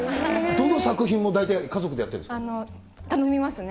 どの作品も、大体家族でやっ頼みますね。